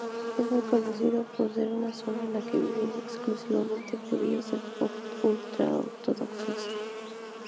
Es muy conocido por ser una zona en la que viven exclusivamente judíos ultraortodoxos.